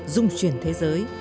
dung chuyển thế giới